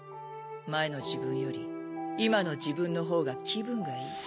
前の自分より今の自分のほうが気分がいい。